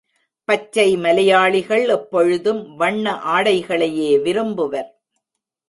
பச்சை மலையாளிகள் எப்பொழுதும் வண்ண ஆடைகளையே விரும்புவர்.